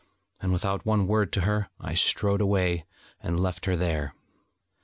And without one word to her, I strode away, and left her there.